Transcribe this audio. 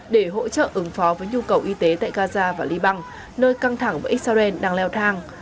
để hỗ trợ ứng phó với nhu cầu y tế tại gaza và liban nơi căng thẳng với israel đang leo thang